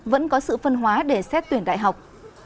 vẫn có sự phân hóa để xét tuyển đại học